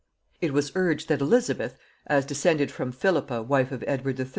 It was urged that Elizabeth, as descended from Philippa wife of Edward III.